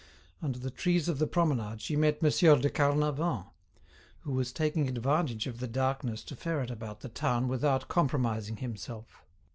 Under the trees of the promenade she met Monsieur de Carnavant, who was taking advantage of the darkness to ferret about the town without compromising himself.